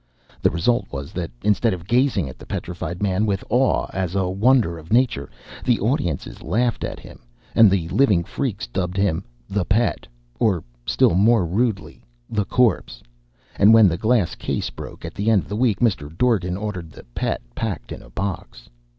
The result was that, instead of gazing at the Petrified Man with awe as a wonder of nature, the audiences laughed at him, and the living freaks dubbed him "the Pet," or, still more rudely, "the Corpse," and when the glass case broke at the end of the week, Mr. Dorgan ordered the Pet packed in a box.